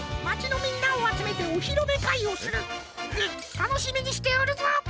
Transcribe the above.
たのしみにしておるぞ！